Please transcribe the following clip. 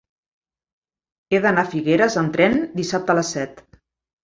He d'anar a Figueres amb tren dissabte a les set.